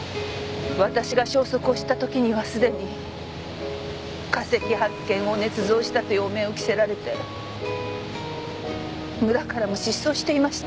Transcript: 私が消息を知った時にはすでに化石発見を捏造したという汚名を着せられて村からも失踪していました。